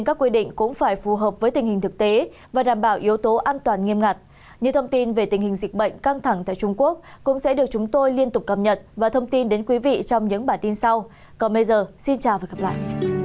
còn bây giờ xin chào và hẹn gặp lại